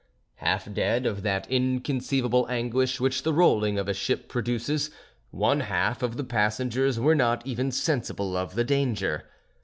Half dead of that inconceivable anguish which the rolling of a ship produces, one half of the passengers were not even sensible of the danger.